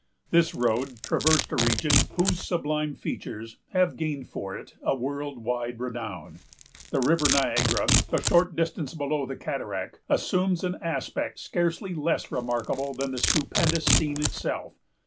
This road traversed a region whose sublime features have gained for it a world wide renown. The River Niagara, a short distance below the cataract, assumes an aspect scarcely less remarkable than that stupendous scene itself.